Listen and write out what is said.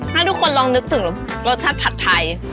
ให้ทุกคนลองนึกถึงรสชาติผัดไทย